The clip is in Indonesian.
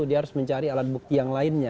dia harus mencari alat bukti yang lainnya